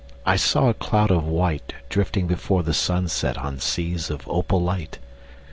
. I saw a cloud of white Drifting before the sunset On seas of opal light.